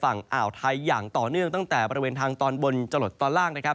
ฝั่งอ่าวไทยอย่างต่อเนื่องตั้งแต่บริเวณทางตอนบนจรดตอนล่างนะครับ